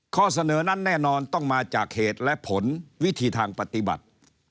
ข้อเสนอนั้นแน่นอนต้องมาจากเหตุและผลวิธีทางปฏิบัติ